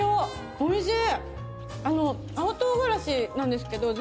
おいしい。